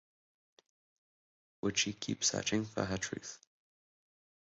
Would she keep searching for her truth.